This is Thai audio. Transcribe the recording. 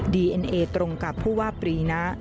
เอ็นเอตรงกับผู้ว่าปรีนะ